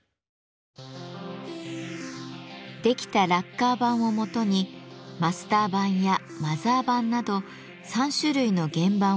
できたラッカー盤をもとにマスター盤やマザー盤など３種類の原盤を作製。